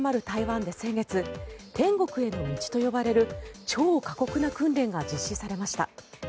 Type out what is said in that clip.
台湾で先月天国への道と呼ばれる超過酷な訓練が実施されました。